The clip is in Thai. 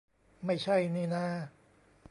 ไม่ใช่นี่นา